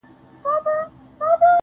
موري ډېوه دي ستا د نور د شفقت مخته وي.